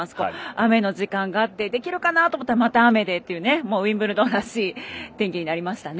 雨の時間があってできるかな？と思ったらまた雨でというウィンブルドンらしい天気になりましたね。